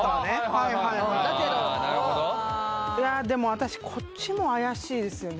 私こっちも怪しいですよね